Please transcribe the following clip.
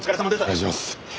お願いします。